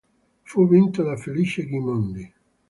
Fu vinto da Felice Gimondi.